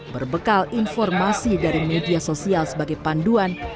berbekal informasi dari media sosial sebagai panduan